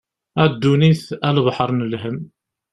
A ddunit a lebḥer n lhem.